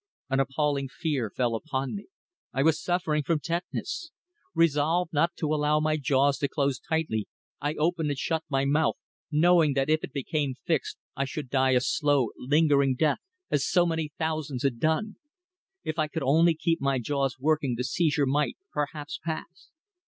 An appalling fear fell upon me. I was suffering from tetanus. Resolved not to allow my jaws to close tightly, I opened and shut my mouth, knowing that if it became fixed I should die a slow, lingering death as so many thousands had done. If I could only keep my jaws working the seizure might, perhaps, pass.